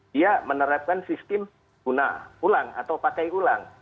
dia menerapkan sistem guna ulang atau pakai ulang